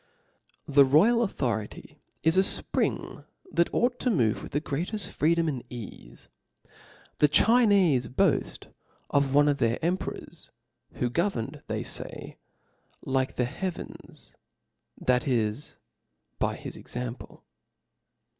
TH E royal authority is a fpring that ought to move with the greateft freedom and eafe. The Chincfe boaft of one of their emperors^ who governed, they fay, like the heavens, that is, by his example.